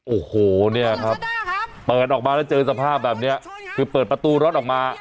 โอ้โหเนี่ยครับเปิดออกมาแล้วเจอสภาพแบบนี้คือเปิดประตูรถออกมา